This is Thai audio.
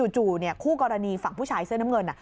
จู่คู่กรณีฝั่งผู้ชายเสื้อน้ำเงิน